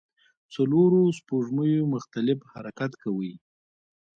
څلور سپوږمۍ مختلف حرکت کوي.